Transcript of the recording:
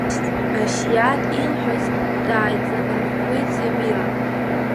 Асиаҭ илҳәаз дааиҵанарӷәӷәеит Замира.